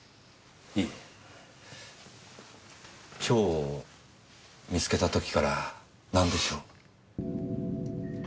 蝶を見つけた時からなんでしょう？